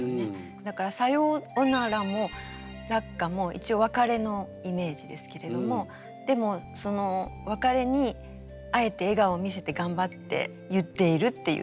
だから「さよおなら」も「落花」も一応別れのイメージですけれどもでもその別れにあえて笑顔を見せて頑張って言っているっていうそういうイメージです。